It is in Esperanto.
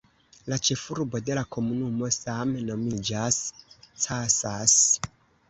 La ĉefurbo de la komunumo same nomiĝas "Casas".